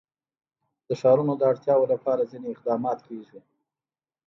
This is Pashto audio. د ښارونو د اړتیاوو لپاره ځینې اقدامات کېږي.